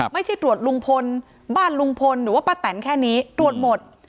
ไม่ใช่ตรวจลุงพลบ้านลุงพลหรือว่าป้าแตนแค่นี้ตรวจหมด